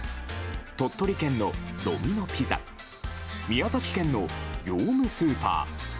鳥取県のドミノ・ピザ宮崎県の業務スーパー